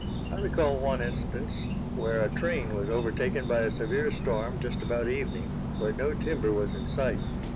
I recall one instance, where a train was overtaken by a severe storm just about evening, where no timber was in sight.